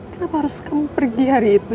kenapa harus kamu pergi hari itu